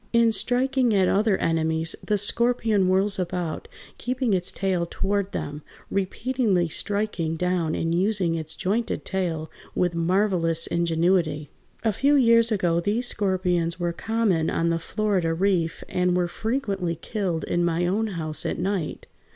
In striking at other enemies the scorpion whirls about, keeping its tail toward them, repeatedly striking down and using its jointed tail with marvelous ingenuity. A few years ago these scorpions were common on the Florida Reef and were frequently killed in my own house at night.